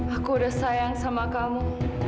aku udah sayang sama kamu